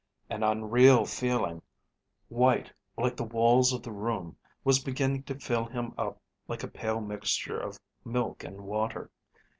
An unreal feeling, white like the walls of the room, was beginning to fill him up like a pale mixture of milk and water.